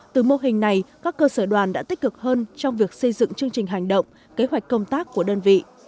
từ mô hình này các cơ sở đoàn đã tích cực hơn trong việc xây dựng chương trình hành động kế hoạch công tác của đơn vị